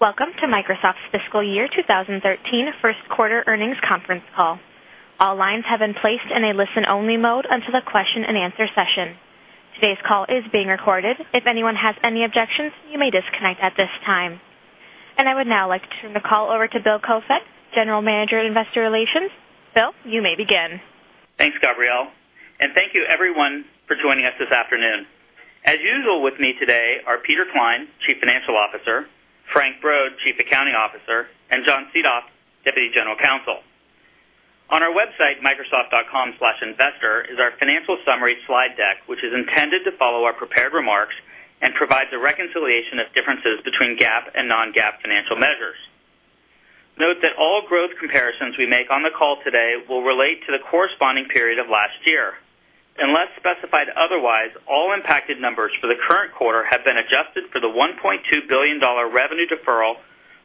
Welcome to Microsoft's fiscal year 2013 first quarter earnings conference call. All lines have been placed in a listen-only mode until the question and answer session. Today's call is being recorded. If anyone has any objections, you may disconnect at this time. I would now like to turn the call over to Bill Koefoed, general manager of investor relations. Bill, you may begin. Thanks, Gabrielle, and thank you everyone for joining us this afternoon. As usual, with me today are Peter Klein, chief financial officer, Frank Brod, chief accounting officer, and John Seethoff, deputy general counsel. On our website, microsoft.com/investor is our financial summary slide deck, which is intended to follow our prepared remarks and provides a reconciliation of differences between GAAP and non-GAAP financial measures. Note that all growth comparisons we make on the call today will relate to the corresponding period of last year. Unless specified otherwise, all impacted numbers for the current quarter have been adjusted for the $1.2 billion revenue deferral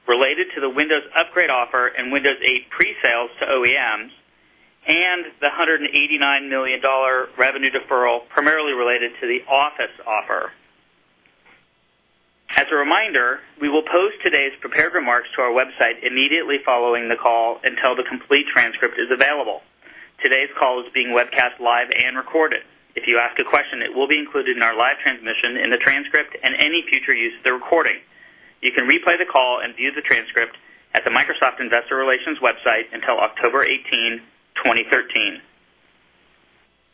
related to the Windows upgrade offer and Windows 8 pre-sales to OEMs and the $189 million revenue deferral primarily related to the Office offer. As a reminder, we will post today's prepared remarks to our website immediately following the call until the complete transcript is available. Today's call is being webcast live and recorded. If you ask a question, it will be included in our live transmission, in the transcript, and any future use of the recording. You can replay the call and view the transcript at the Microsoft investor relations website until October 18, 2013.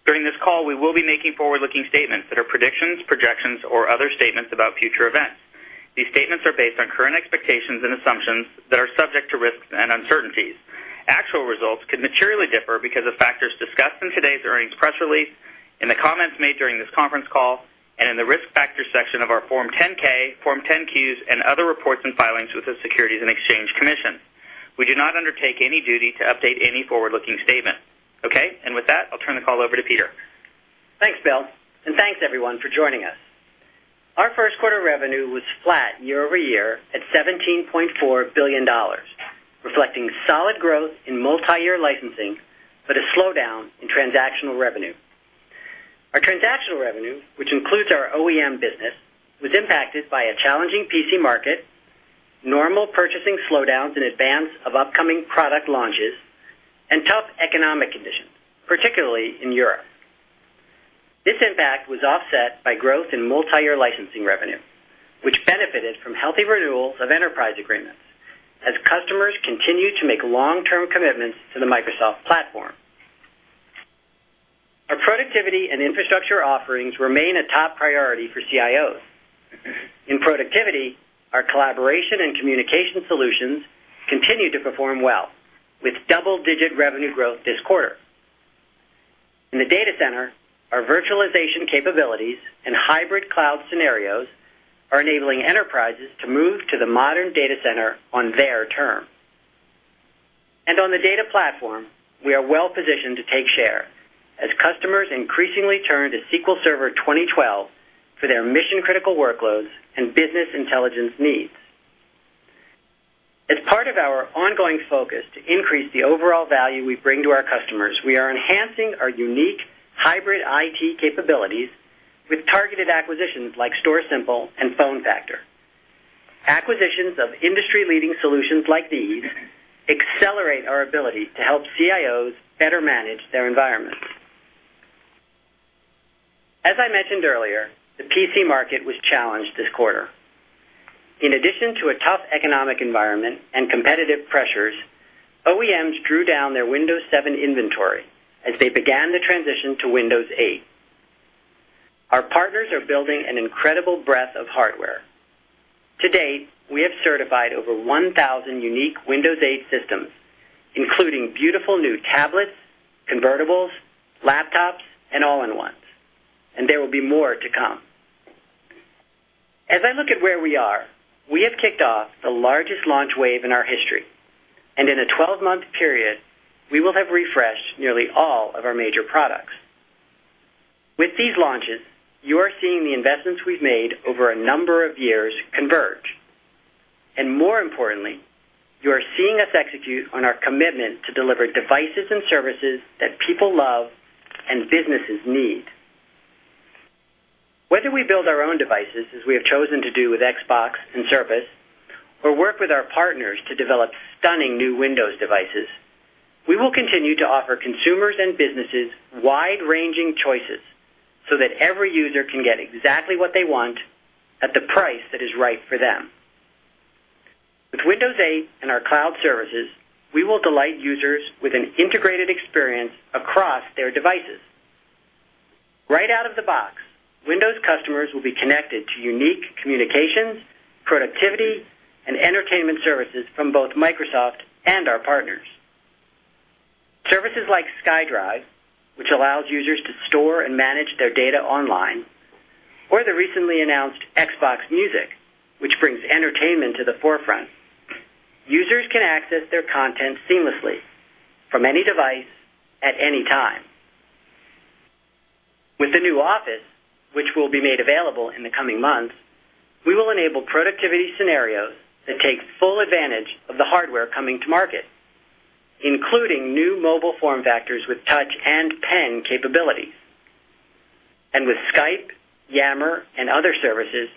During this call, we will be making forward-looking statements that are predictions, projections, or other statements about future events. These statements are based on current expectations and assumptions that are subject to risks and uncertainties. Actual results could materially differ because of factors discussed in today's earnings press release, in the comments made during this conference call, and in the risk factors section of our Form 10-K, Form 10-Qs, and other reports and filings with the Securities and Exchange Commission. We do not undertake any duty to update any forward-looking statement. Okay. With that, I'll turn the call over to Peter. Thanks, Bill, and thanks everyone for joining us. Our first quarter revenue was flat year-over-year at $17.4 billion, reflecting solid growth in multi-year licensing but a slowdown in transactional revenue. Our transactional revenue, which includes our OEM business, was impacted by a challenging PC market, normal purchasing slowdowns in advance of upcoming product launches, and tough economic conditions, particularly in Europe. This impact was offset by growth in multi-year licensing revenue, which benefited from healthy renewals of enterprise agreements as customers continued to make long-term commitments to the Microsoft platform. Our productivity and infrastructure offerings remain a top priority for CIOs. In productivity, our collaboration and communication solutions continue to perform well with double-digit revenue growth this quarter. In the data center, our virtualization capabilities and hybrid cloud scenarios are enabling enterprises to move to the modern data center on their term. On the data platform, we are well positioned to take share as customers increasingly turn to SQL Server 2012 for their mission-critical workloads and business intelligence needs. As part of our ongoing focus to increase the overall value we bring to our customers, we are enhancing our unique hybrid IT capabilities with targeted acquisitions like StorSimple and PhoneFactor. Acquisitions of industry-leading solutions like these accelerate our ability to help CIOs better manage their environments. As I mentioned earlier, the PC market was challenged this quarter. In addition to a tough economic environment and competitive pressures, OEMs drew down their Windows 7 inventory as they began the transition to Windows 8. Our partners are building an incredible breadth of hardware. To date, we have certified over 1,000 unique Windows 8 systems, including beautiful new tablets, convertibles, laptops, and all-in-ones, and there will be more to come. As I look at where we are, we have kicked off the largest launch wave in our history, and in a 12-month period, we will have refreshed nearly all of our major products. With these launches, you are seeing the investments we've made over a number of years converge, and more importantly, you are seeing us execute on our commitment to deliver devices and services that people love and businesses need. Whether we build our own devices, as we have chosen to do with Xbox and Surface, or work with our partners to develop stunning new Windows devices, we will continue to offer consumers and businesses wide-ranging choices so that every user can get exactly what they want at the price that is right for them. With Windows 8 and our cloud services, we will delight users with an integrated experience across their devices. Right out of the box, Windows customers will be connected to unique communications, productivity, and entertainment services from both Microsoft and our partners. Services like SkyDrive, which allows users to store and manage their data online, or the recently announced Xbox Music, which brings entertainment to the forefront. Users can access their content seamlessly from any device at any time. With the new Office, which will be made available in the coming months, we will enable productivity scenarios that take full advantage of the hardware coming to market, including new mobile form factors with touch and pen capabilities. With Skype, Yammer, and other services,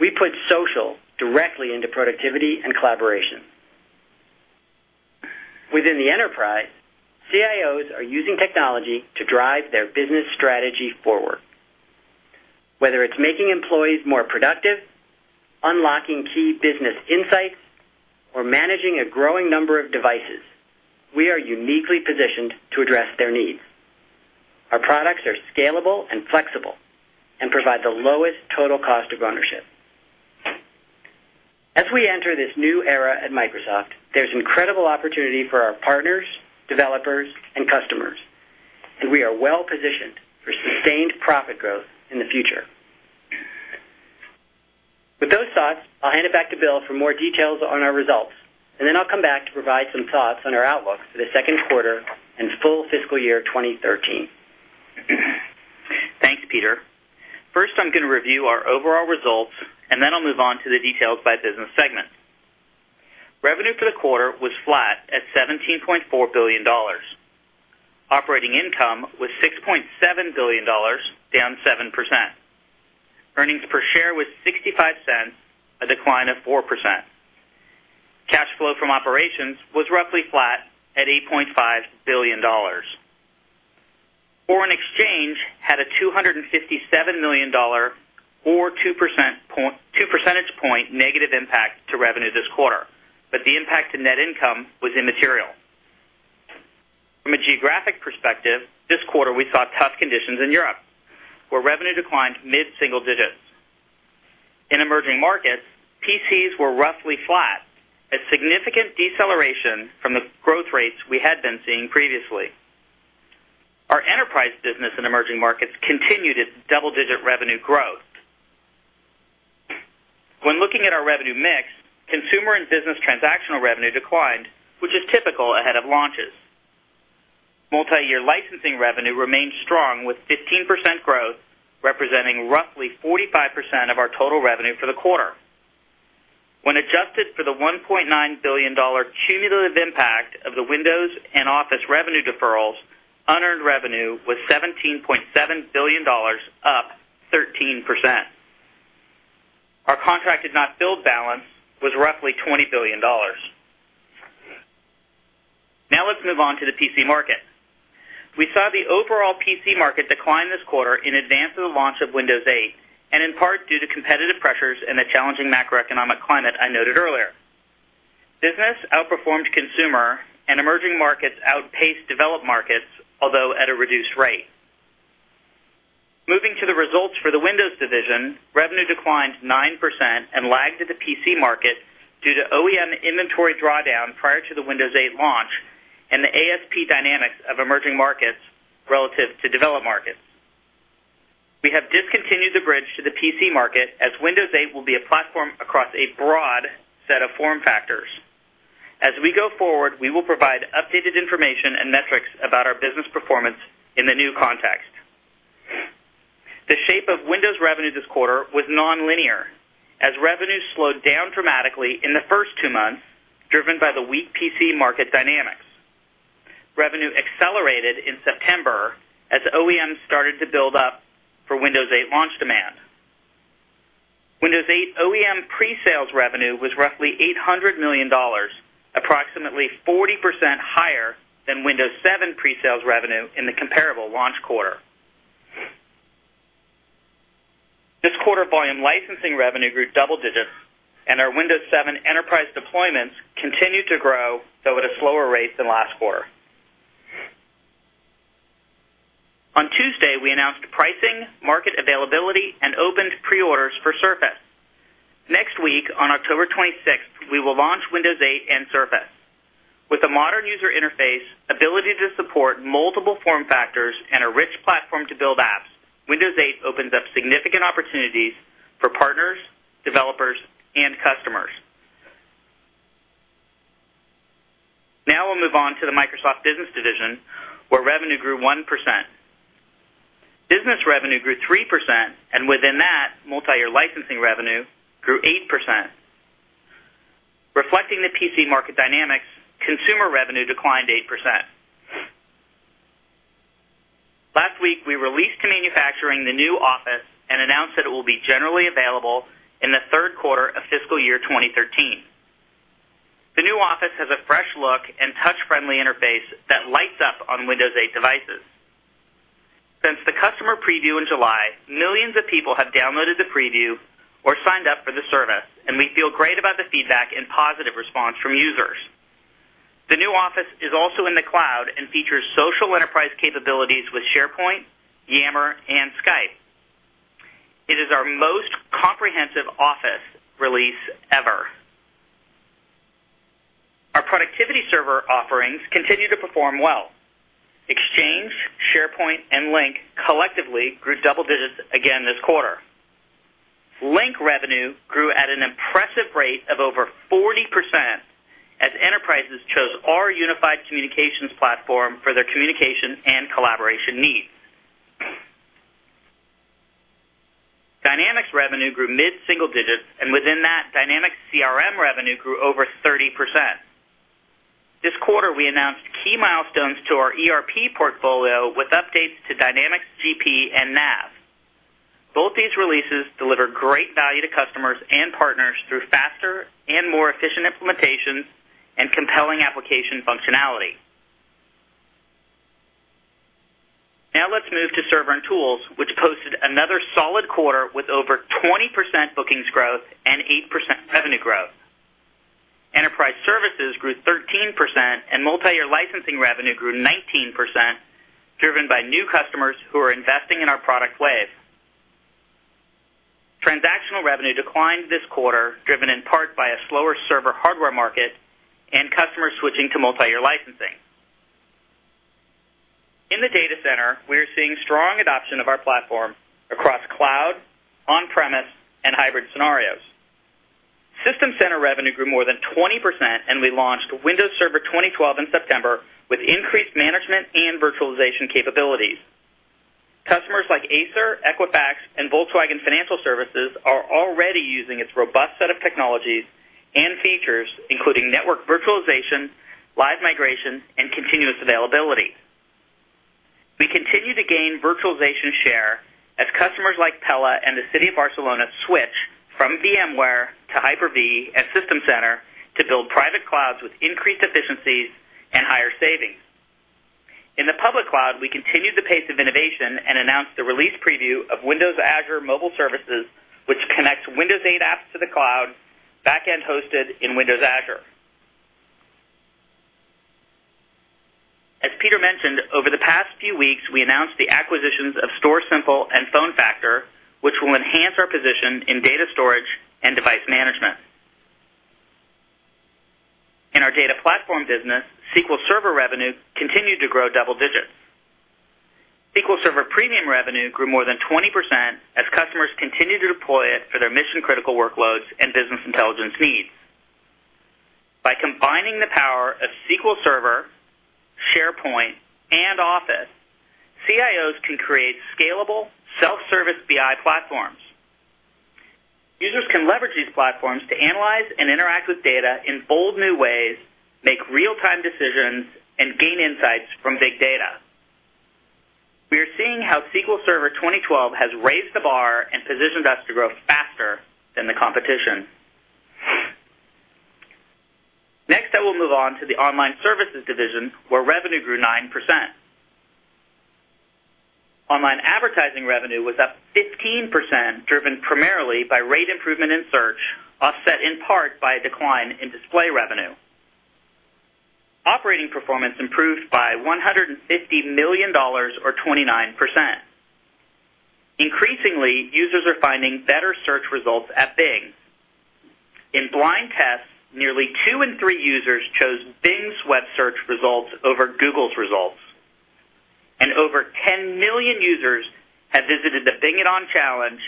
we put social directly into productivity and collaboration. Within the enterprise, CIOs are using technology to drive their business strategy forward. Whether it's making employees more productive, unlocking key business insights, or managing a growing number of devices, we are uniquely positioned to address their needs. Our products are scalable and flexible and provide the lowest total cost of ownership. As we enter this new era at Microsoft, there's incredible opportunity for our partners, developers, and customers, and we are well positioned for sustained profit growth in the future. With those thoughts, I'll hand it back to Bill for more details on our results, then I'll come back to provide some thoughts on our outlook for the second quarter and full fiscal year 2013. Thanks, Peter. First, I'm going to review our overall results, then I'll move on to the details by business segment. Revenue for the quarter was flat at $17.4 billion. Operating income was $6.7 billion, down 7%. Earnings per share was $0.65, a decline of 4%. Cash flow from operations was roughly flat at $8.5 billion. Foreign exchange had a $257 million or two percentage point negative impact to revenue this quarter, but the impact to net income was immaterial. From a geographic perspective, this quarter we saw tough conditions in Europe, where revenue declined mid-single digits. In emerging markets, PCs were roughly flat, a significant deceleration from the growth rates we had been seeing previously. Our enterprise business in emerging markets continued its double-digit revenue growth. Looking at our revenue mix, consumer and business transactional revenue declined, which is typical ahead of launches. Multi-year licensing revenue remained strong with 15% growth, representing roughly 45% of our total revenue for the quarter. When adjusted for the $1.9 billion cumulative impact of the Windows and Office revenue deferrals, unearned revenue was $17.7 billion, up 13%. Our contract is not billed balance was roughly $20 billion. Let's move on to the PC market. We saw the overall PC market decline this quarter in advance of the launch of Windows 8, in part due to competitive pressures and the challenging macroeconomic climate I noted earlier. Business outperformed consumer and emerging markets outpaced developed markets, although at a reduced rate. Moving to the results for the Windows Division, revenue declined 9% and lagged at the PC market due to OEM inventory drawdown prior to the Windows 8 launch and the ASP dynamics of emerging markets relative to developed markets. We have discontinued the bridge to the PC market as Windows 8 will be a platform across a broad set of form factors. We go forward, we will provide updated information and metrics about our business performance in the new context. The shape of Windows revenue this quarter was nonlinear as revenue slowed down dramatically in the first two months, driven by the weak PC market dynamics. Revenue accelerated in September as OEMs started to build up for Windows 8 launch demand. Windows 8 OEM pre-sales revenue was roughly $800 million, approximately 40% higher than Windows 7 pre-sales revenue in the comparable launch quarter. This quarter, volume licensing revenue grew double digits, our Windows 7 enterprise deployments continued to grow, though at a slower rate than last quarter. On Tuesday, we announced pricing, market availability, and opened pre-orders for Surface. Next week, on October 26th, we will launch Windows 8 and Surface. With a modern user interface, ability to support multiple form factors, and a rich platform to build apps, Windows 8 opens up significant opportunities for partners, developers, and customers. Now we'll move on to the Microsoft Business Division, where revenue grew 1%. Business revenue grew 3% and within that, multi-year licensing revenue grew 8%. Reflecting the PC market dynamics, consumer revenue declined 8%. Last week, we released to manufacturing the new Office and announced that it will be generally available in the third quarter of fiscal year 2013. The new Office has a fresh look and touch-friendly interface that lights up on Windows 8 devices. Since the customer preview in July, millions of people have downloaded the preview or signed up for the service, and we feel great about the feedback and positive response from users. The new Office is also in the cloud and features social enterprise capabilities with SharePoint, Yammer, and Skype. It is our most comprehensive Office release ever. Our productivity server offerings continue to perform well. Exchange, SharePoint, and Lync collectively grew double digits again this quarter. Lync revenue grew at an impressive rate of over 40% as enterprises chose our unified communications platform for their communication and collaboration needs. Dynamics revenue grew mid-single digits, and within that, Dynamics CRM revenue grew over 30%. Quarter, we announced key milestones to our ERP portfolio with updates to Dynamics GP and NAV. Both these releases deliver great value to customers and partners through faster and more efficient implementations and compelling application functionality. Now let's move to server and tools, which posted another solid quarter with over 20% bookings growth and 8% revenue growth. Enterprise services grew 13% and multi-year licensing revenue grew 19%, driven by new customers who are investing in our product wave. Transactional revenue declined this quarter, driven in part by a slower server hardware market and customers switching to multi-year licensing. In the data center, we are seeing strong adoption of our platform across cloud, on-premise, and hybrid scenarios. System Center revenue grew more than 20%, and we launched Windows Server 2012 in September with increased management and virtualization capabilities. Customers like Acer, Equifax, and Volkswagen Financial Services are already using its robust set of technologies and features, including network virtualization, live migration, and continuous availability. We continue to gain virtualization share as customers like Pella and the City of Barcelona switch from VMware to Hyper-V at System Center to build private clouds with increased efficiencies and higher savings. In the public cloud, we continued the pace of innovation and announced the release preview of Windows Azure Mobile Services, which connects Windows 8 apps to the cloud, back-end hosted in Windows Azure. As Peter mentioned, over the past few weeks, we announced the acquisitions of StorSimple and PhoneFactor, which will enhance our position in data storage and device management. In our data platform business, SQL Server revenue continued to grow double digits. SQL Server Premium revenue grew more than 20% as customers continue to deploy it for their mission-critical workloads and business intelligence needs. By combining the power of SQL Server, SharePoint, and Office, CIOs can create scalable, self-service BI platforms. Users can leverage these platforms to analyze and interact with data in bold new ways, make real-time decisions, and gain insights from big data. We are seeing how SQL Server 2012 has raised the bar and positioned us to grow faster than the competition. I will move on to the Online Services Division, where revenue grew 9%. Online advertising revenue was up 15%, driven primarily by rate improvement in search, offset in part by a decline in display revenue. Operating performance improved by $150 million or 29%. Increasingly, users are finding better search results at Bing. In blind tests, nearly two in three users chose Bing's web search results over Google's results. Over 10 million users have visited the Bing It On Challenge,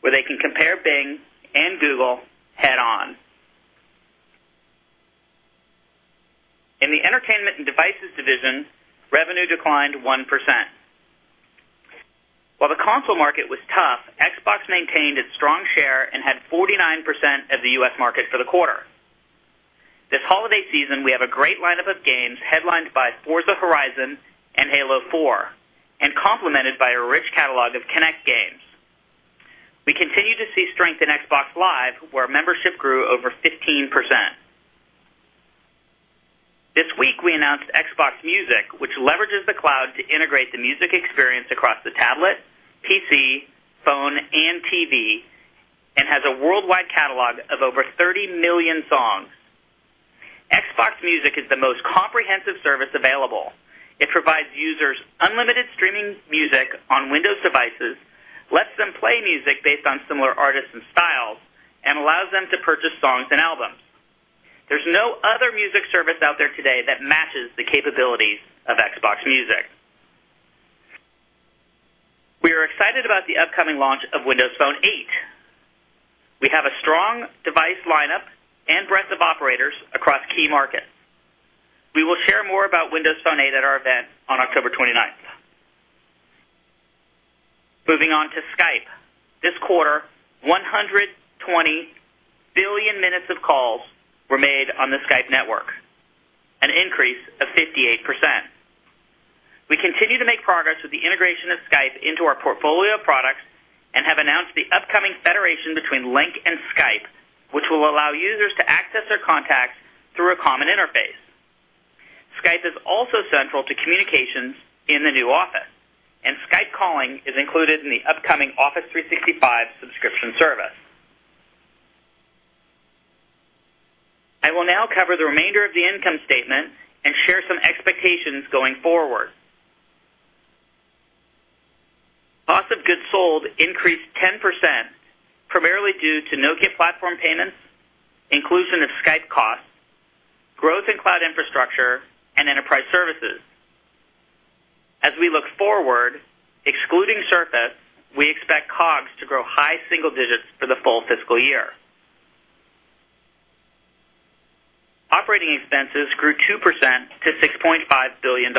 where they can compare Bing and Google head-on. In the Entertainment and Devices Division, revenue declined 1%. While the console market was tough, Xbox maintained its strong share and had 49% of the U.S. market for the quarter. This holiday season, we have a great lineup of games headlined by Forza Horizon and Halo 4, complemented by a rich catalog of Kinect games. We continue to see strength in Xbox Live, where membership grew over 15%. This week, we announced Xbox Music, which leverages the cloud to integrate the music experience across the tablet, PC, phone, and TV, and has a worldwide catalog of over 30 million songs. Xbox Music is the most comprehensive service available. It provides users unlimited streaming music on Windows devices, lets them play music based on similar artists and styles, and allows them to purchase songs and albums. There's no other music service out there today that matches the capabilities of Xbox Music. We are excited about the upcoming launch of Windows Phone 8. We have a strong device lineup and breadth of operators across key markets. We will share more about Windows Phone 8 at our event on October 29th. Moving on to Skype. This quarter, 120 billion minutes of calls were made on the Skype network, an increase of 58%. We continue to make progress with the integration of Skype into our portfolio of products and have announced the upcoming federation between Lync and Skype, which will allow users to access their contacts through a common interface. Skype is also central to communications in the new Office. Skype calling is included in the upcoming Office 365 subscription service. I will now cover the remainder of the income statement and share some expectations going forward. Cost of goods sold increased 10%, primarily due to Nokia platform payments, inclusion of Skype costs, growth in cloud infrastructure, and enterprise services. As we look forward, excluding Surface, we expect COGS to grow high single digits for the full fiscal year. Operating expenses grew 2% to $6.5 billion,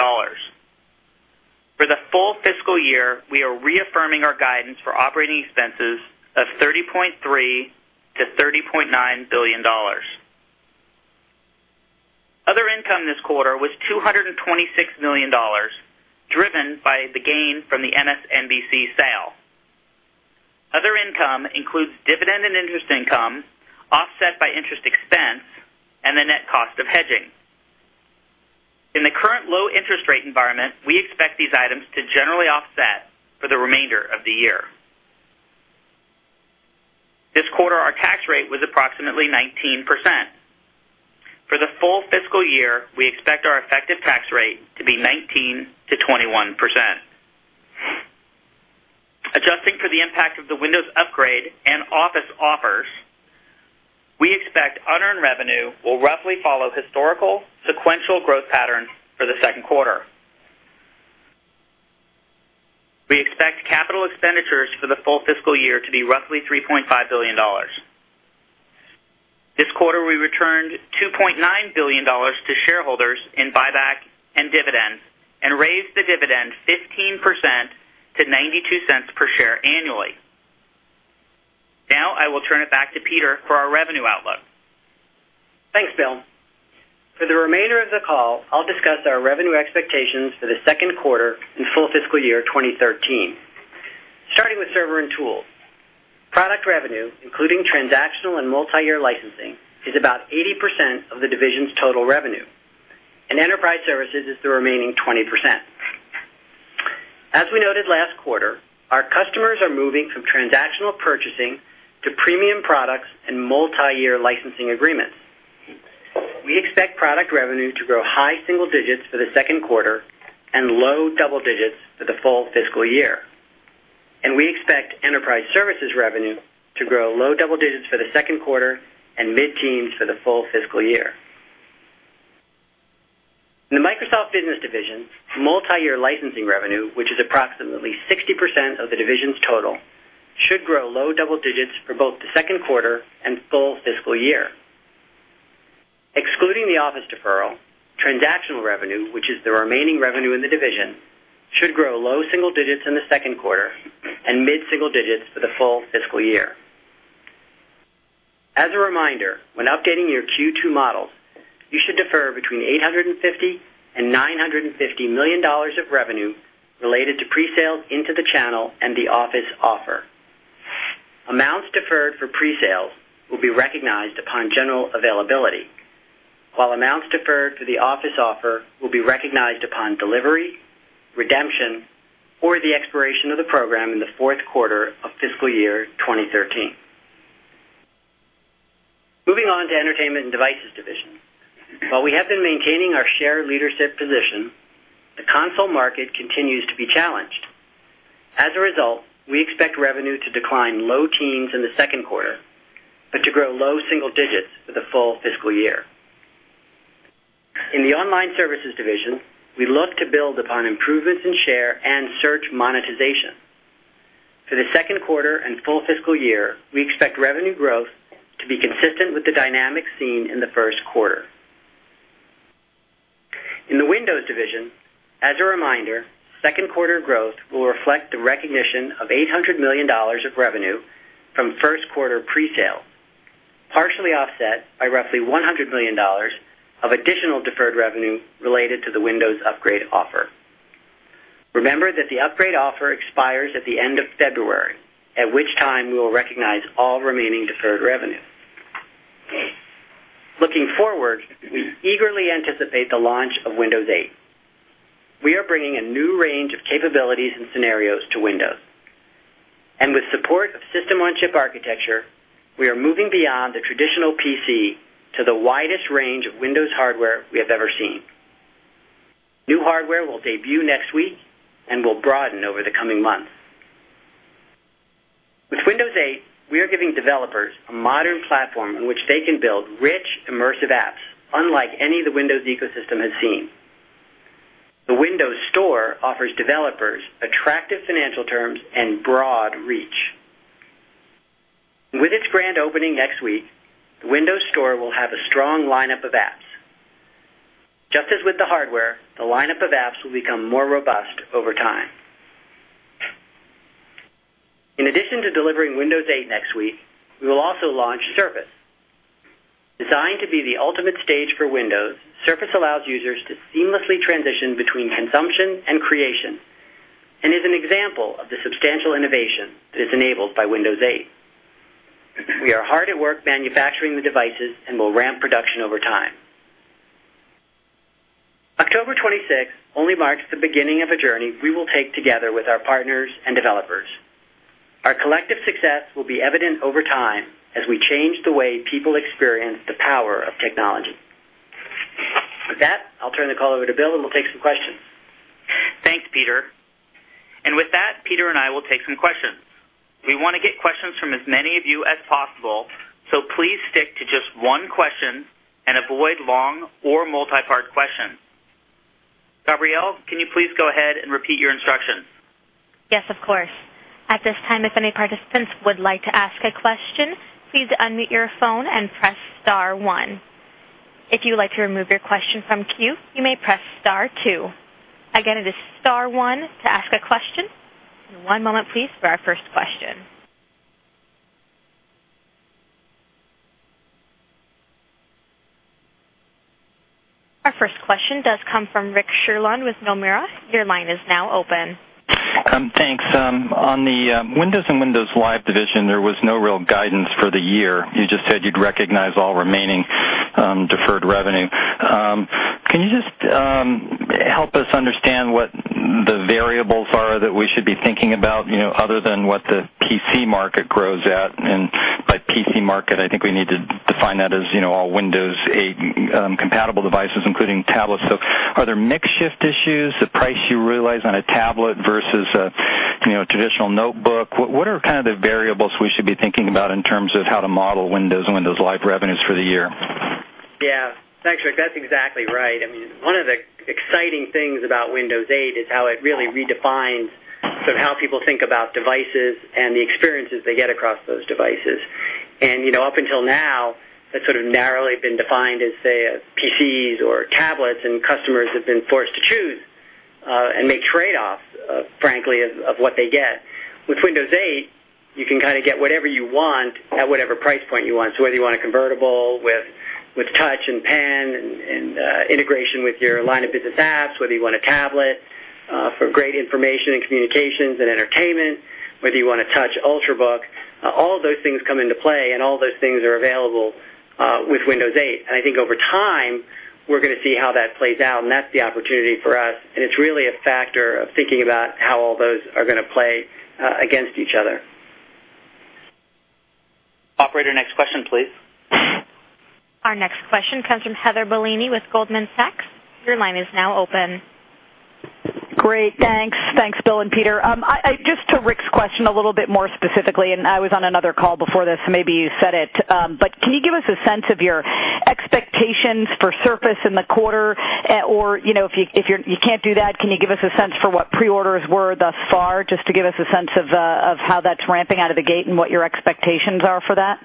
reaffirming our guidance for operating expenses of $30.3 billion-$30.9 billion. Other income this quarter was $226 million, driven by the gain from the MSNBC sale. Other income includes dividend and interest income offset by interest expense and the net cost of hedging. In the current low interest rate environment, we expect these items to generally offset for the remainder of the year. This quarter, our tax rate was approximately 19%. For the full fiscal year, we expect our effective tax rate to be 19%-21%. Adjusting for the impact of the Windows upgrade and Office offers, we expect unearned revenue will roughly follow historical sequential growth patterns for the second quarter. We expect capital expenditures for the full fiscal year to be roughly $3.5 billion. This quarter, we returned $2.9 billion to shareholders in buyback and dividends and raised the dividend 15% to $0.92 per share annually. I will turn it back to Peter for our revenue outlook. Thanks, Bill. For the remainder of the call, I'll discuss our revenue expectations for the second quarter and full fiscal year 2013. Starting with Server and Tools. Product revenue, including transactional and multi-year licensing, is about 80% of the division's total revenue, and enterprise services is the remaining 20%. As we noted last quarter, our customers are moving from transactional purchasing to premium products and multi-year licensing agreements. We expect product revenue to grow high single digits for the second quarter and low double digits for the full fiscal year. We expect enterprise services revenue to grow low double digits for the second quarter and mid-teens for the full fiscal year. In the Microsoft Business Division, multi-year licensing revenue, which is approximately 60% of the division's total, should grow low double digits for both the second quarter and full fiscal year. Excluding the Office deferral, transactional revenue, which is the remaining revenue in the division, should grow low single digits in the second quarter and mid-single digits for the full fiscal year. As a reminder, when updating your Q2 models, you should defer between $850 million-$950 million of revenue related to pre-sales into the channel and the Office offer. Amounts deferred for pre-sales will be recognized upon general availability, while amounts deferred for the Office offer will be recognized upon delivery, redemption, or the expiration of the program in the fourth quarter of fiscal year 2013. Moving on to Entertainment and Devices Division. While we have been maintaining our share leadership position, the console market continues to be challenged. As a result, we expect revenue to decline low teens in the second quarter, but to grow low single digits for the full fiscal year. In the Online Services Division, we look to build upon improvements in share and search monetization. For the second quarter and full fiscal year, we expect revenue growth to be consistent with the dynamics seen in the first quarter. In the Windows Division, as a reminder, second quarter growth will reflect the recognition of $800 million of revenue from first quarter pre-sale, partially offset by roughly $100 million of additional deferred revenue related to the Windows upgrade offer. Remember that the upgrade offer expires at the end of February, at which time we will recognize all remaining deferred revenue. Looking forward, we eagerly anticipate the launch of Windows 8. We are bringing a new range of capabilities and scenarios to Windows. With support of system-on-chip architecture, we are moving beyond the traditional PC to the widest range of Windows hardware we have ever seen. New hardware will debut next week and will broaden over the coming months. With Windows 8, we are giving developers a modern platform on which they can build rich, immersive apps unlike any the Windows ecosystem has seen. The Windows Store offers developers attractive financial terms and broad reach. With its grand opening next week, the Windows Store will have a strong lineup of apps. Just as with the hardware, the lineup of apps will become more robust over time. In addition to delivering Windows 8 next week, we will also launch Surface. Designed to be the ultimate stage for Windows, Surface allows users to seamlessly transition between consumption and creation and is an example of the substantial innovation that is enabled by Windows 8. We are hard at work manufacturing the devices and will ramp production over time. October 26th only marks the beginning of a journey we will take together with our partners and developers. Our collective success will be evident over time as we change the way people experience the power of technology. With that, I'll turn the call over to Bill, we'll take some questions. Thanks, Peter. With that, Peter and I will take some questions. We want to get questions from as many of you as possible, so please stick to just one question and avoid long or multi-part questions. Gabrielle, can you please go ahead and repeat your instructions? Yes, of course. At this time, if any participants would like to ask a question, please unmute your phone and press star one. If you would like to remove your question from queue, you may press star two. Again, it is star one to ask a question. One moment please for our first question. Our first question does come from Rick Sherlund with Nomura. Your line is now open. Thanks. On the Windows and Windows Live Division, there was no real guidance for the year. You just said you'd recognize all remaining deferred revenue. Can you just help us understand what the variables are that we should be thinking about, other than what the PC market grows at? By PC market, I think we need to define that as all Windows 8 compatible devices, including tablets. Are there mix shift issues, the price you realize on a tablet versus a traditional notebook? What are the variables we should be thinking about in terms of how to model Windows and Windows Live revenues for the year? Yeah. Thanks, Rick. That's exactly right. One of the exciting things about Windows 8 is how it really redefines how people think about devices and the experiences they get across those devices. Up until now, that's narrowly been defined as, say, PCs or tablets, and customers have been forced to choose and make trade-offs, frankly, of what they get. With Windows 8, you can get whatever you want at whatever price point you want. Whether you want a convertible with touch and pen and integration with your line of business apps, whether you want a tablet for great information and communications and entertainment, whether you want a touch Ultrabook, all of those things come into play and all those things are available with Windows 8. I think over time, we're going to see how that plays out, and that's the opportunity for us, and it's really a factor of thinking about how all those are going to play against each other. Operator, next question, please. Our next question comes from Heather Bellini with Goldman Sachs. Your line is now open. Great. Thanks. Thanks, Bill and Peter. Just to Rick's question a little bit more specifically, I was on another call before this, so maybe you said it, but can you give us a sense of your expectations for Surface in the quarter? If you can't do that, can you give us a sense for what pre-orders were thus far, just to give us a sense of how that's ramping out of the gate and what your expectations are for that?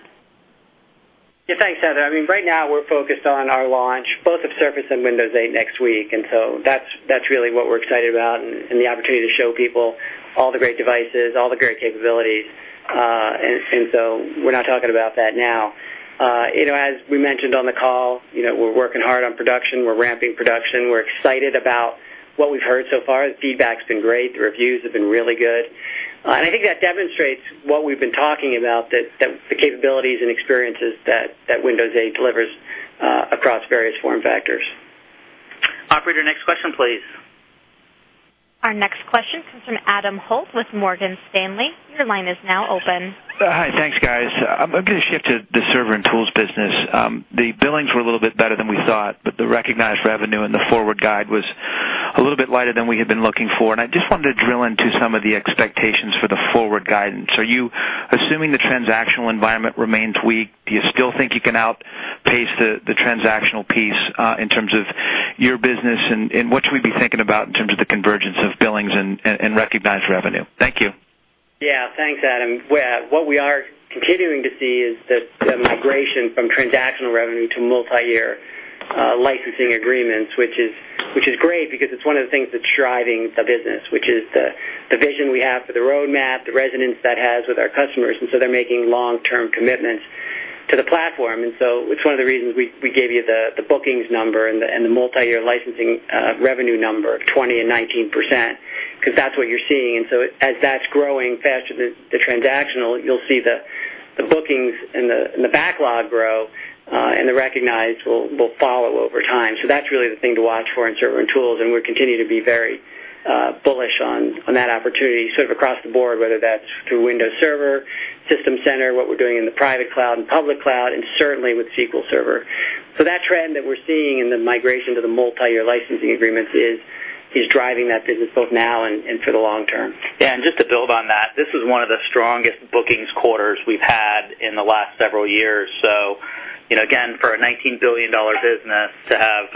Yeah. Thanks, Heather. Right now, we're focused on our launch, both of Surface and Windows 8 next week. That's really what we're excited about and the opportunity to show people all the great devices, all the great capabilities. We're not talking about that now. As we mentioned on the call, we're working hard on production. We're ramping production. We're excited about what we've heard so far. The feedback's been great. The reviews have been really good. I think that demonstrates what we've been talking about, the capabilities and experiences that Windows 8 delivers across various form factors. Operator, next question, please. Our next question comes from Adam Holt with Morgan Stanley. Your line is now open. Hi. Thanks, guys. I'm going to shift to the Server and Tools business. The billings were a little bit better than we thought, the recognized revenue and the forward guide was a little bit lighter than we had been looking for, I just wanted to drill into some of the expectations for the forward guidance. Are you assuming the transactional environment remains weak? Do you still think you can outpace the transactional piece in terms of your business, what should we be thinking about in terms of the convergence of billings and recognized revenue? Thank you. Yeah. Thanks, Adam. What we are continuing to see is the migration from transactional revenue to multi-year licensing agreements, which is great because it's one of the things that's driving the business, which is the vision we have for the roadmap, the resonance that has with our customers, they're making long-term commitments to the platform. It's one of the reasons we gave you the bookings number and the multi-year licensing revenue number of 20% and 19%, because that's what you're seeing. As that's growing faster than the transactional, you'll see the bookings and the backlog grow, the recognized will follow over time. That's really the thing to watch for in Server and Tools, we continue to be very bullish on that opportunity sort of across the board, whether that's through Windows Server, System Center, what we're doing in the private cloud and public cloud, certainly with SQL Server. That trend that we're seeing in the migration to the multi-year licensing agreements is driving that business both now and for the long term. Just to build on that, this is one of the strongest bookings quarters we've had in the last several years. For a $19 billion business to have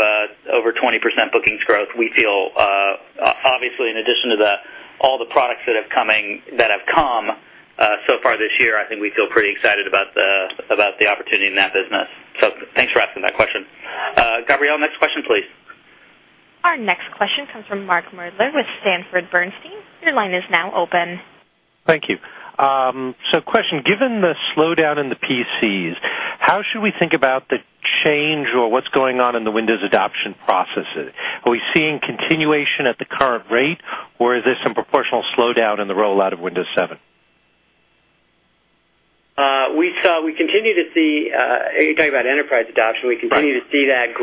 over 20% bookings growth, we feel, obviously, in addition to all the products that have come so far this year, I think we feel pretty excited about the opportunity in that business. Thanks for asking that question. Gabrielle, next question, please. Our next question comes from Mark Moerdler with Sanford C. Bernstein. Your line is now open. Thank you. Question, given the slowdown in the PCs, how should we think about the change or what's going on in the Windows adoption processes? Are we seeing continuation at the current rate, or is this some proportional slowdown in the rollout of Windows 7? You're talking about enterprise adoption. We continue to see that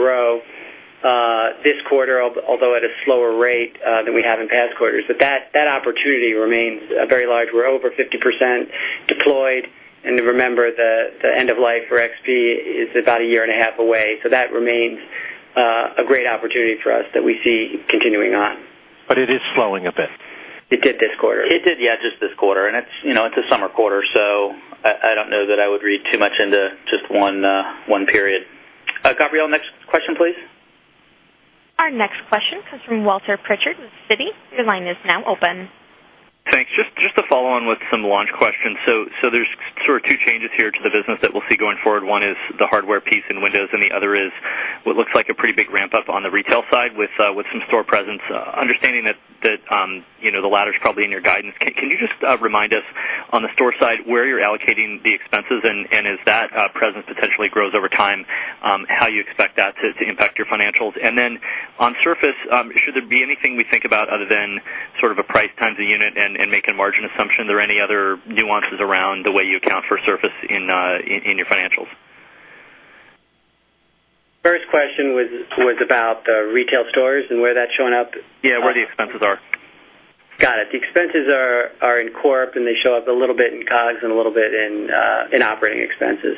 grow this quarter, although at a slower rate than we have in past quarters. That opportunity remains very large. We're over 50% deployed, and remember, the end of life for Windows XP is about a year and a half away. That remains a great opportunity for us that we see continuing on. It is slowing a bit. It did this quarter. It did, just this quarter. It's a summer quarter, I don't know that I would read too much into just one period. Gabrielle, next question, please. Our next question comes from Walter Pritchard with Citi. Your line is now open. Thanks. Just to follow on with some launch questions. There's sort of two changes here to the business that we'll see going forward. One is the hardware piece in Windows, and the other is what looks like a pretty big ramp-up on the retail side with some store presence. Understanding that the latter's probably in your guidance, can you just remind us on the store side where you're allocating the expenses and as that presence potentially grows over time, how you expect that to impact your financials? On Surface, should there be anything we think about other than sort of a price times a unit and make a margin assumption? Are there any other nuances around the way you account for Surface in your financials? First question was about the retail stores and where that's showing up. Yeah, where the expenses are. Got it. The expenses are in corp, and they show up a little bit in COGS and a little bit in operating expenses.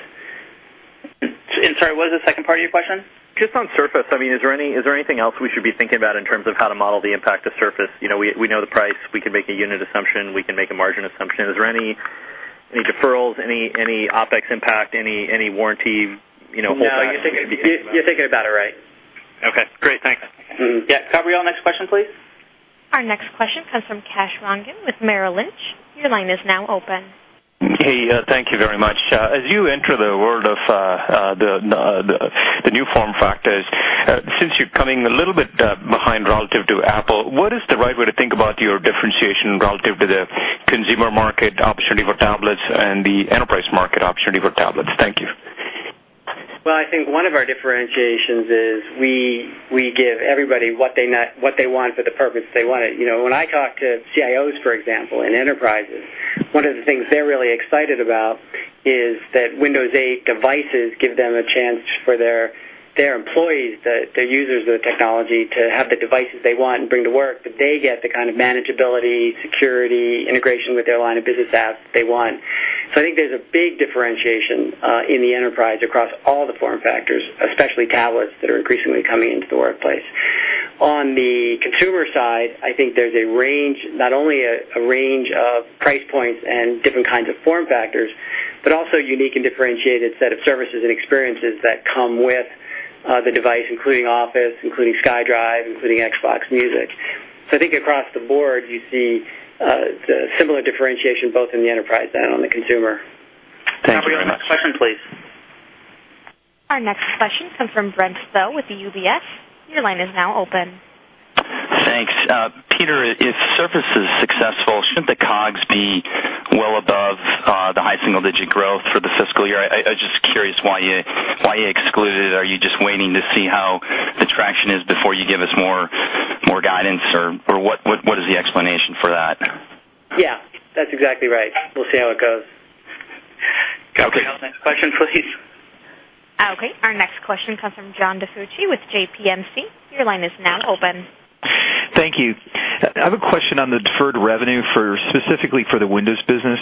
Sorry, what was the second part of your question? Just on Surface, is there anything else we should be thinking about in terms of how to model the impact of Surface? We know the price. We can make a unit assumption. We can make a margin assumption. Is there any deferrals, any OpEx impact, any warranty hold-backs we should be thinking about? No, you're thinking about it right. Okay, great. Thanks. Mm-hmm. Yeah. Gabrielle, next question, please. Our next question comes from Kash Rangan with Merrill Lynch. Your line is now open. Hey, thank you very much. As you enter the world of the new form factors, since you're coming a little bit behind relative to Apple, what is the right way to think about your differentiation relative to the consumer market opportunity for tablets and the enterprise market opportunity for tablets? Thank you. Well, I think one of our differentiations is we give everybody what they want for the purpose they want it. When I talk to CIOs, for example, in enterprises, one of the things they're really excited about is that Windows 8 devices give them a chance for their employees, the users of the technology, to have the devices they want and bring to work, but they get the kind of manageability, security, integration with their line-of-business apps that they want. I think there's a big differentiation in the enterprise across all the form factors, especially tablets that are increasingly coming into the workplace. On the consumer side, I think there's not only a range of price points and different kinds of form factors, but also a unique and differentiated set of services and experiences that come with the device, including Office, including SkyDrive, including Xbox Music. I think across the board, you see similar differentiation both in the enterprise and on the consumer. Thanks very much. Gabrielle, next question, please. Our next question comes from Brent Thill with the UBS. Your line is now open. Thanks. Peter, if Surface is successful, shouldn't the COGS be well above the high single-digit growth for the fiscal year? I'm just curious why you excluded it. Are you just waiting to see how the traction is before you give us more guidance, or what is the explanation for that? Yeah, that's exactly right. We'll see how it goes. Okay. Gabrielle, next question, please. Okay. Our next question comes from John DiFucci with JPMC. Your line is now open. Thank you. I have a question on the deferred revenue specifically for the Windows business.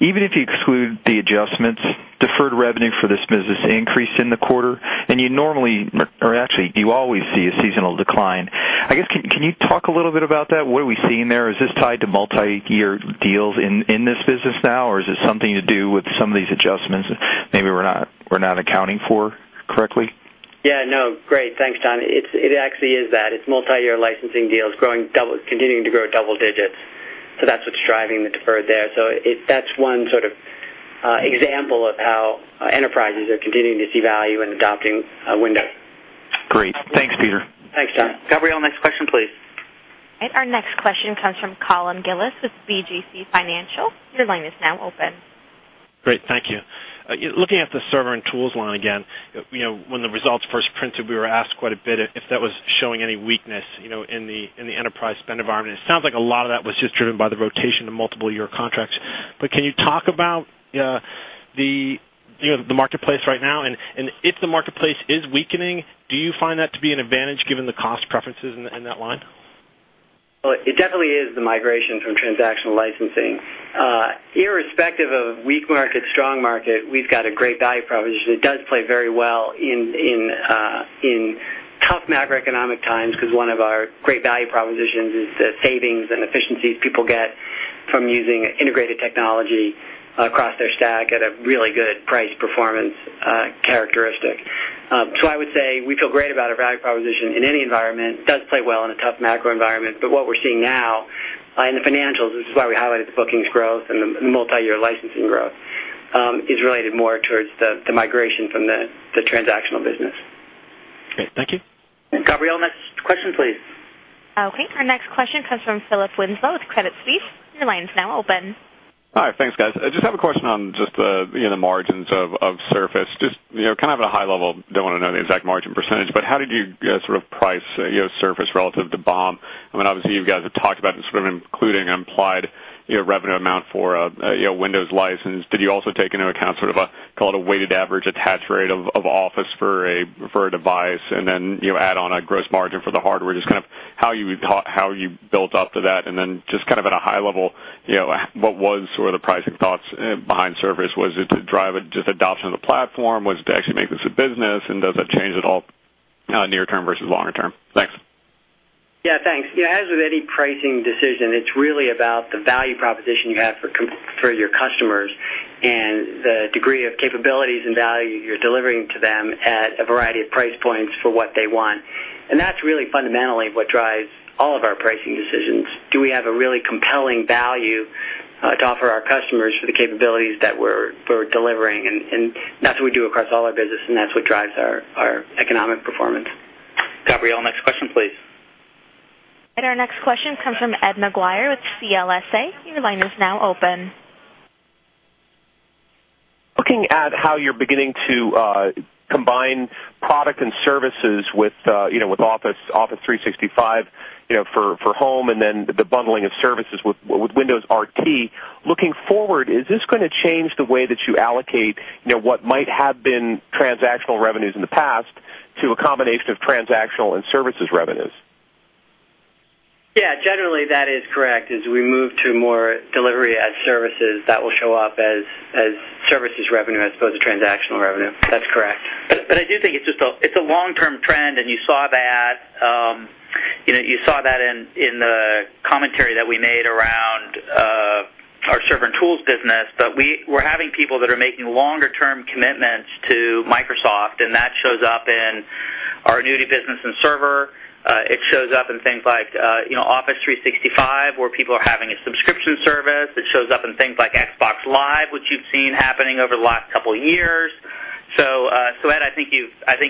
Even if you exclude the adjustments, deferred revenue for this business increased in the quarter, and you always see a seasonal decline. I guess, can you talk a little bit about that? What are we seeing there? Is this tied to multi-year deals in this business now, or is it something to do with some of these adjustments maybe we're not accounting for correctly? Yeah, no, great. Thanks, John. It actually is that. It's multi-year licensing deals continuing to grow double digits. That's what's driving the deferred there. That's one sort of example of how enterprises are continuing to see value in adopting Windows. Great. Thanks, Peter. Thanks, John. Gabrielle, next question, please. Our next question comes from Colin Gillis with BGC Partners. Your line is now open. Great. Thank you. Looking at the server and tools line again, when the results first printed, we were asked quite a bit if that was showing any weakness in the enterprise spend environment. It sounds like a lot of that was just driven by the rotation of multiple-year contracts. Can you talk about the marketplace right now? If the marketplace is weakening, do you find that to be an advantage given the cost preferences in that line? Well, it definitely is the migration from transactional licensing. Irrespective of weak market, strong market, we've got a great value proposition that does play very well in tough macroeconomic times because one of our great value propositions is the savings and efficiencies people get from using integrated technology across their stack at a really good price-performance characteristic. I would say we feel great about our value proposition in any environment. It does play well in a tough macro environment. What we're seeing now in the financials, this is why we highlighted the bookings growth and the multi-year licensing growth, is related more towards the migration from the transactional business. Great. Thank you. Gabrielle, next question, please. Okay. Our next question comes from Philip Winslow with Credit Suisse. Your line's now open. All right. Thanks, guys. I just have a question on just the margins of Surface, just kind of at a high level. Don't want to know the exact margin percentage. How did you sort of price Surface relative to BOM? Obviously, you guys have talked about this from including an implied revenue amount for a Windows license. Did you also take into account sort of a weighted average attach rate of Office for a device then add on a gross margin for the hardware? Just kind of how you built up to that, then just kind of at a high level, what was sort of the pricing thoughts behind Surface? Was it to drive just adoption of the platform? Was it to actually make this a business? Does that change at all near-term versus longer term? Thanks. Yeah, thanks. As with any pricing decision, it's really about the value proposition you have for your customers and the degree of capabilities and value you're delivering to them at a variety of price points for what they want. That's really fundamentally what drives all of our pricing decisions. Do we have a really compelling value to offer our customers for the capabilities that we're delivering? That's what we do across all our business. That's what drives our economic performance. Gabrielle, next question, please. Our next question comes from Ed Maguire with CLSA. Your line is now open. Looking at how you're beginning to combine product and services with Office 365 for home and the bundling of services with Windows RT. Looking forward, is this going to change the way that you allocate what might have been transactional revenues in the past to a combination of transactional and services revenues? Yeah, generally, that is correct. As we move to more delivery as services, that will show up as services revenue as opposed to transactional revenue. That's correct. I do think it's a long-term trend, and you saw that in the commentary that we made around our server and tools business, that we're having people that are making longer-term commitments to Microsoft, and that shows up in our annuity business and server. It shows up in things like Office 365, where people are having a subscription service. It shows up in things like Xbox Live, which you've seen happening over the last couple of years. Ed, I think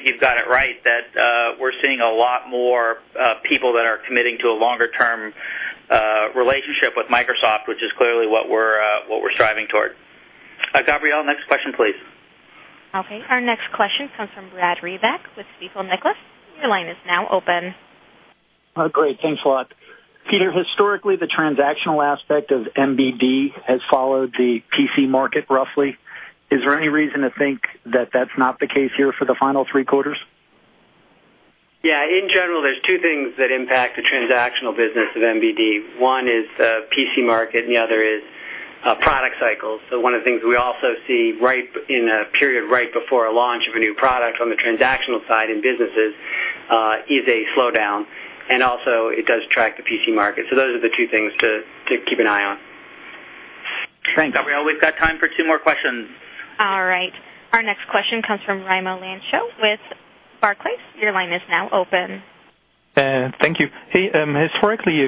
you've got it right that we're seeing a lot more people that are committing to a longer-term relationship with Microsoft, which is clearly what we're striving toward. Gabrielle, next question, please. Okay. Our next question comes from Brad Reback with Stifel Nicolaus. Your line is now open. Oh, great. Thanks a lot. Peter, historically, the transactional aspect of MBD has followed the PC market roughly. Is there any reason to think that that's not the case here for the final three quarters? Yeah. In general, there's two things that impact the transactional business of MBD. One is the PC market and the other is product cycles. One of the things we also see in a period right before a launch of a new product on the transactional side in businesses is a slowdown, and also it does track the PC market. Those are the two things to keep an eye on. Thanks. Gabrielle, we've got time for two more questions. All right. Our next question comes from Raimo Lenschow with Barclays. Your line is now open. Thank you. Hey, historically,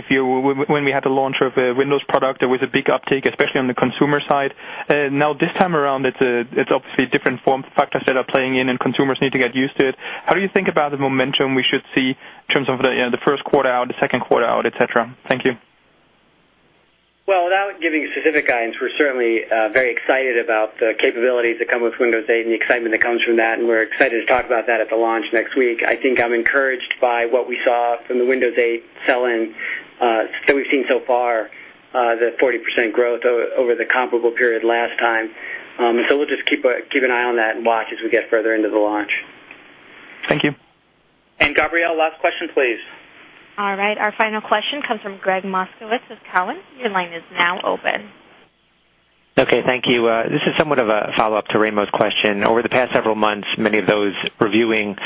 when we had the launch of a Windows product, there was a big uptake, especially on the consumer side. This time around, it's obviously different form factors that are playing in and consumers need to get used to it. How do you think about the momentum we should see in terms of the first quarter out, the second quarter out, et cetera? Thank you. Well, without giving specific guidance, we're certainly very excited about the capabilities that come with Windows 8 and the excitement that comes from that, and we're excited to talk about that at the launch next week. I think I'm encouraged by what we saw from the Windows 8 sell-in that we've seen so far, the 40% growth over the comparable period last time. We'll just keep an eye on that and watch as we get further into the launch. Thank you. Gabrielle, last question, please. All right. Our final question comes from Gregg Moskowitz with Cowen. Your line is now open. Okay. Thank you. This is somewhat of a follow-up to Raimo's question. Over the past several months, many of those reviewing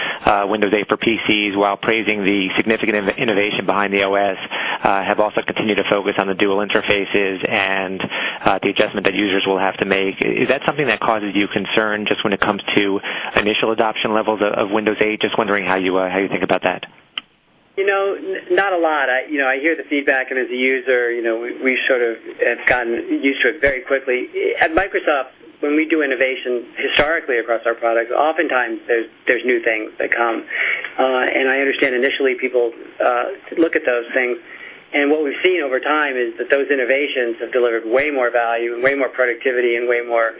Windows 8 for PCs, while praising the significant innovation behind the OS, have also continued to focus on the dual interfaces and the adjustment that users will have to make. Is that something that causes you concern just when it comes to initial adoption levels of Windows 8? Just wondering how you think about that. Not a lot. I hear the feedback and as a user, we sort of have gotten used to it very quickly. At Microsoft, when we do innovation historically across our products, oftentimes there's new things that come. I understand initially people look at those things, what we've seen over time is that those innovations have delivered way more value and way more productivity and way more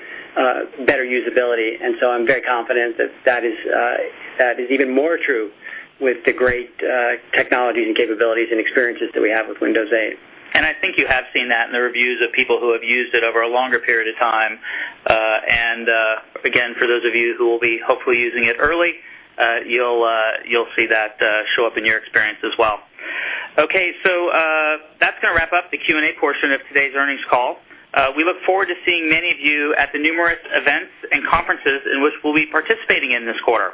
better usability. I'm very confident that that is even more true with the great technologies and capabilities and experiences that we have with Windows 8. I think you have seen that in the reviews of people who have used it over a longer period of time. Again, for those of you who will be hopefully using it early, you'll see that show up in your experience as well. Okay, that's going to wrap up the Q&A portion of today's earnings call. We look forward to seeing many of you at the numerous events and conferences in which we'll be participating in this quarter.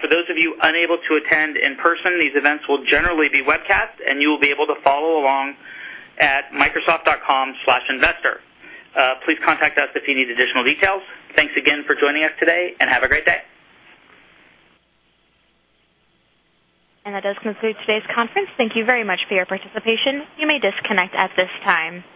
For those of you unable to attend in person, these events will generally be webcast and you will be able to follow along at microsoft.com/investor. Please contact us if you need additional details. Thanks again for joining us today and have a great day. That does conclude today's conference. Thank you very much for your participation. You may disconnect at this time.